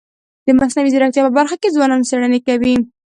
د مصنوعي ځیرکتیا په برخه کي ځوانان څېړني کوي.